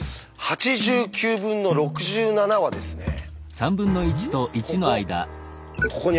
８９分の６７はですねここ。